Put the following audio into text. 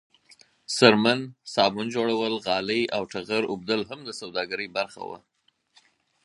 څرمن، صابون جوړول، غالۍ او ټغر اوبدل هم د سوداګرۍ برخه وه.